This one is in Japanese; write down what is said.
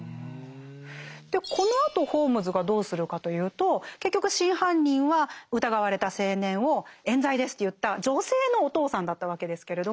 でこのあとホームズがどうするかというと結局真犯人は疑われた青年を冤罪ですと言った女性のお父さんだったわけですけれども。